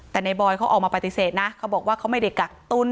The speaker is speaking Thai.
แต่ในบอยเขาออกมาปฏิเสธนะเขาบอกว่าเขาไม่ได้กักตุ้น